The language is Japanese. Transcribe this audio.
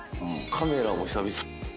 「カメラも久々」